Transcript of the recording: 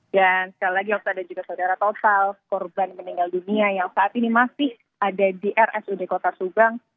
dan sekali lagi okta dan juga saudara total korban meninggal dunia yang saat ini masih ada di rs sudusugang